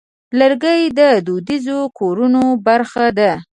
لرګی د دودیزو کورونو برخه ده.